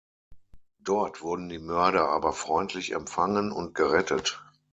Dort wurden die Mörder aber freundlich empfangen und gerettet.